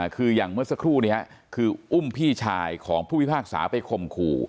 คืออย่างเมื่อสักครู่นี้คืออุ้มพี่ชายของผู้พิพากษาไปข่มขู่